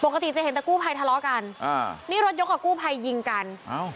จะเห็นแต่กู้ภัยทะเลาะกันอ่านี่รถยกกับกู้ภัยยิงกันอ้าว